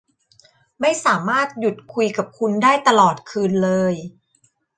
ไม่สามารถหยุดคุยกับคุณได้ตลอดคืนเลย